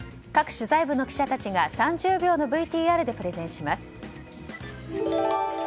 各取材部の記者たちが３０秒のＶＴＲでプレゼンします。